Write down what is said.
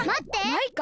マイカ？